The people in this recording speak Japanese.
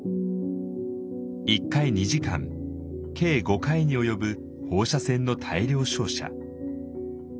１回２時間計５回に及ぶ放射線の大量照射。